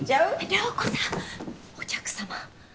涼子さんお客様。